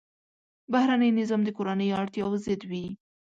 بهرنی نظام د کورنیو اړتیاوو ضد وي.